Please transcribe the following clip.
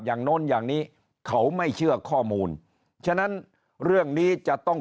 โน้นอย่างนี้เขาไม่เชื่อข้อมูลฉะนั้นเรื่องนี้จะต้อง